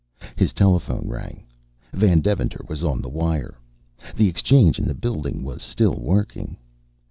His telephone rang. Van Deventer was on the wire. The exchange in the building was still working.